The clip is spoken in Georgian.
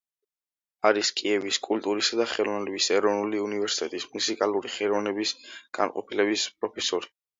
არის კიევის კულტურისა და ხელოვნების ეროვნული უნივერსიტეტის მუსიკალური ხელოვნების განყოფილების პროფესორი.